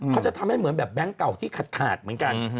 เขาจะทำกับแบงค์เก่าที่ขาดเหมือนกัน